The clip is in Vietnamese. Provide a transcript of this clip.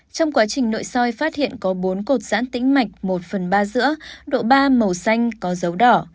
trong quá trình nội soi phát hiện có bốn cột giãn tính mạch một phần ba giữa độ ba màu xanh có dấu đỏ